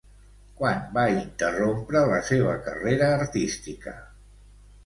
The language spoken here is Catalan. Quan va interrompre la seva carrera artística?